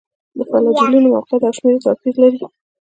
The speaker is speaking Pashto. د فلاجیلونو موقعیت او شمېر یې توپیر لري.